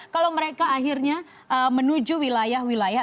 kalau mereka akhirnya menuju wilayah wilayah